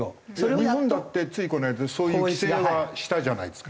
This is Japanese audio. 日本だってついこの間そういう規制はしたじゃないですか。